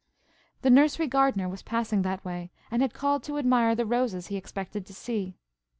The nursery gardener was passing that way, and had called to admire the roses he expected to see.